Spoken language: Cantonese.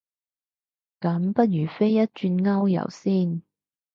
咁不如飛一轉歐遊先